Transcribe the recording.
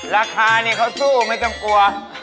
ราคานี่เขาสู้ไม่ต้องกลัว